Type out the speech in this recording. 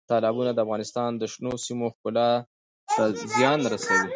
تالابونه د افغانستان د شنو سیمو ښکلا ته زیان رسوي.